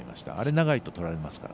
長いととられますから。